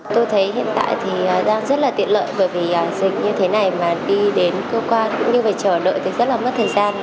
tôi thấy hiện tại thì đang rất là tiện lợi bởi vì dịch như thế này mà đi đến cơ quan cũng như phải chờ đợi thì rất là mất thời gian